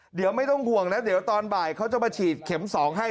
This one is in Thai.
เดี๋ยวไม่ต้องห่วงนะเดี๋ยวตอนบ่ายเขาจะมาฉีดเข็ม๒ให้